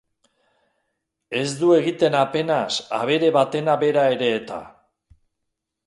Ez du egiten apenas abere batena bera ere eta!